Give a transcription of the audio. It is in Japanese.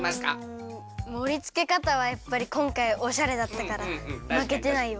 うんもりつけかたはやっぱりこんかいおしゃれだったからまけてないよ。